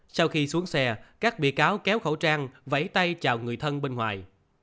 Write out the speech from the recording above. sau khi xuống xe các bị cáo kéo khẩu trang vẫy tay chào người thân bên ngoài